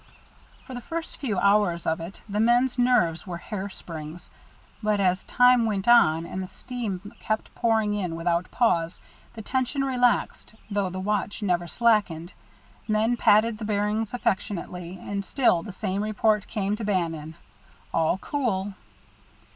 For the first few hours of it the men's nerves were hair springs, but as time went on and the stream kept pouring in without pause, the tension relaxed though the watch never slackened. Men patted the bearings affectionately, and still the same report came to Bannon, "All cool."